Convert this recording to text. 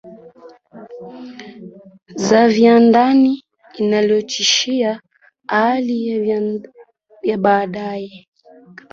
za viwandani linalotishia hali ya baadaye